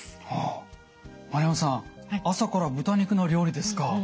はあ丸山さん朝から豚肉の料理ですか。